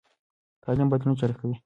تعلیم بدلون چټکوي.